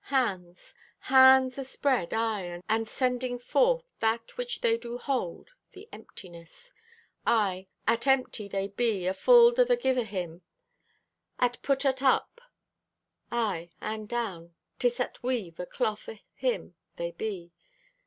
Hands. Hands aspread, aye, and sending forth That which they do hold—the emptiness. Aye, at empty they be, afulled o' the give o' Him. At put at up, aye, and down, 'tis at weave O' cloth o' Him they be.